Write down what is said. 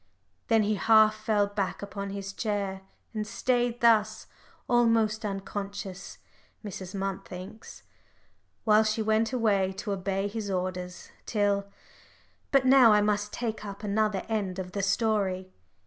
Then he half fell back upon his chair, and stayed thus almost unconscious, Mrs. Munt thinks while she went away to obey his orders, till But now I must take up another end of the story.